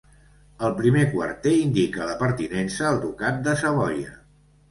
El primer quarter indica la pertinença al Ducat de Savoia.